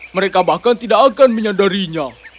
mereka bahkan tidak akan menyadarinya